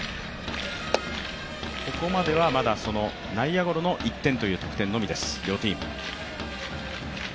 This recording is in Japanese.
ここまではまだ内野ゴロの１点という得点のみです、両チーム。